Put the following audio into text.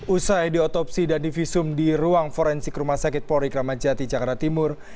usai diotopsi dan divisum di ruang forensik rumah sakit polri kramat jati jakarta timur